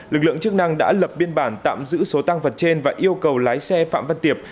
lực lượng chức năng đã lập biên bản tạm giữ số tăng vật trên và yêu cầu lái xe phạm văn tiệp